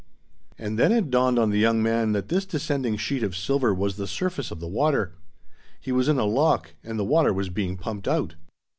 And then it dawned on the young man that this descending sheet of silver was the surface of the water. He was in a lock, and the water was being pumped out.